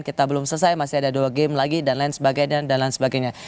kita belum selesai masih ada dua game lagi dan lain sebagainya